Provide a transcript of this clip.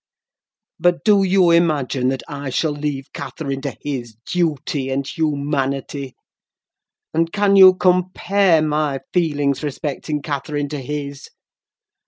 But do you imagine that I shall leave Catherine to his duty and humanity? and can you compare my feelings respecting Catherine to his?